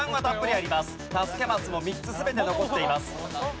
助けマスも３つ全て残っています。